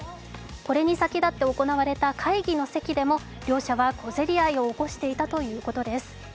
これに先立って行われた会議の席でも両者は小競り合いをしていたということです。